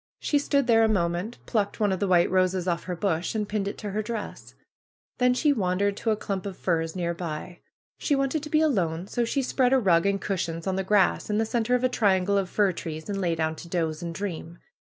She stood there a moment, plucked one of the white roses off her bush, and pinned it to her dress. Then she wandered to a clump of firs near by. She wanted to be alone; so she spread a rug and cushions on the grass in the center of a triangle of fir trees, and lay down to doze and dream.